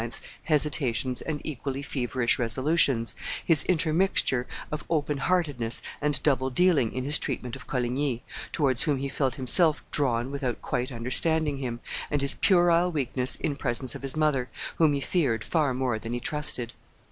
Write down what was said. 's hesitations and equally feverish resolutions, his intermixture of open heartedness and double dealing in his treatment of Coliguy, towards whom he felt himself drawn without quite understanding him, and his puerile weakness in presence of his mother, whom he feared far more than he trusted.